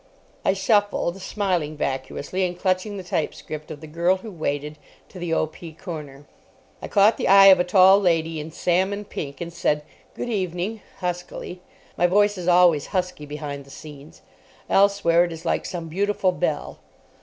I shuffled, smiling vacuously and clutching the type script of The Girl who Waited, to the O.P. corner. I caught the eye of a tall lady in salmon pink, and said "Good evening" huskily—my voice is always husky behind the scenes: elsewhere it is like some beautiful bell.